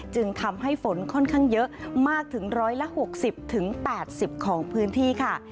จึงทำให้ฝนค่อนข้างเยอะมากถึง๑๖๐๘๐ของพื้นที่ค่ะ